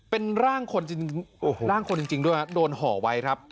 เป็นร่างคนจริงร่างคนจริงด้วยโดนห่อไว้ครับ